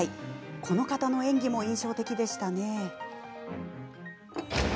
この方の演技も印象的でした。